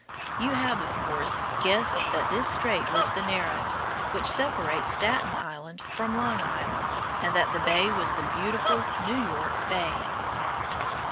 You have, of course, guessed that this strait was the Narrows, which separates Staten Island from Long Island, and that the bay was the beautiful New York Bay.